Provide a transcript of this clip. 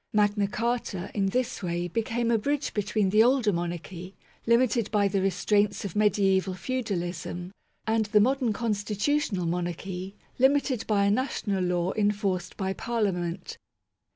Magna Carta, in this way, became a bridge between the older monarchy, limited by the restraints of mediaeval feudalism, and the modern constitutional monarchy, limited by a national law enforced by Parliament.